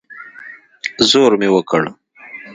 زور مې وکړ.